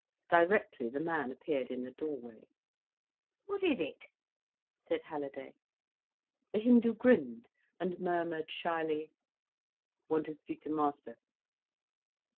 Directly, the man appeared in the doorway. "What is it?" said Halliday. The Hindu grinned, and murmured shyly: "Want to speak to master."